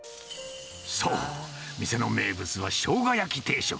そう、店の名物はしょうが焼き定食。